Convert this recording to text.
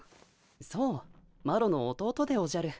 そうマロの弟でおじゃる。